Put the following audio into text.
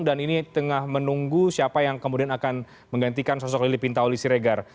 dan ini tengah menunggu siapa yang kemudian akan menggantikan sosok lili pintauli siregar